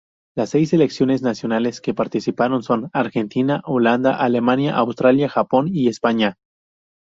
Las seis selecciones nacionales que participaron son Argentina, Holanda, Alemania, Australia, Japón y España.